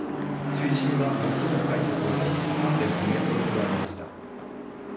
水深は最も深い所で３．５メートルほどありました。